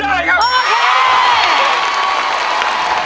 ได้ครับ